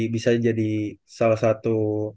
bisa jadi salah satu